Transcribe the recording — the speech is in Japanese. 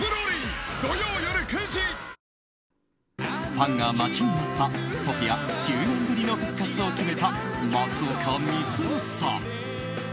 ファンが待ちに待ったＳＯＰＨＩＡ９年ぶりの復活を決めた松岡さん。